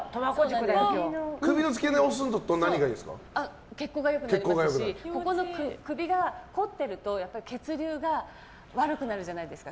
首の付け根押すと血行が良くなりますし首が凝ってると血流が悪くなるじゃないですか。